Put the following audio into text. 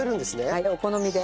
はいお好みで。